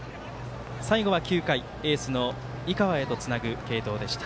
最後は９回エースの井川へとつなぐ継投でした。